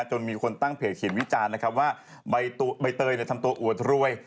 จนมีคนตั้งเพจเขียนวิจารณ์นะครับว่าใบเตยทำตัวอวดรวย